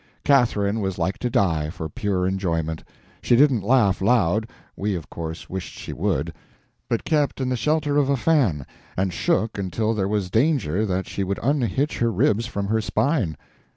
Catherine was like to die, for pure enjoyment. She didn't laugh loud—we, of course, wished she would—but kept in the shelter of a fan, and shook until there was danger that she would unhitch her ribs from her spine.